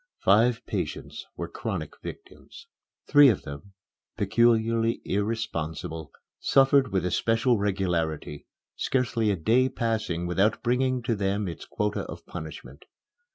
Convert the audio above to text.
Five patients were chronic victims. Three of them, peculiarly irresponsible, suffered with especial regularity, scarcely a day passing without bringing to them its quota of punishment.